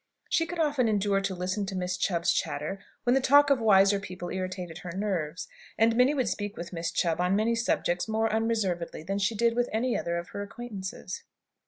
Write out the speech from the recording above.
She could often endure to listen to Miss Chubb's chatter, when the talk of wiser people irritated her nerves. And Minnie would speak with Miss Chubb on many subjects more unreservedly than she did with any other of her acquaintances.